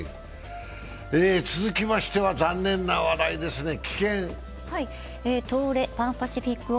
続きましては残念な話題ですね。